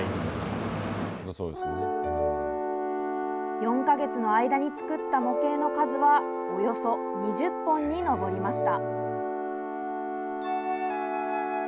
４か月の間に作った模型の数はおよそ２０本に上りました。